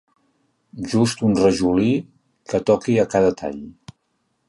Just un rajolí que toqui a cada tall.